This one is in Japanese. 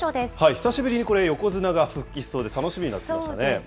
久しぶりにこれ、横綱が復帰しそうで、楽しみになってきまし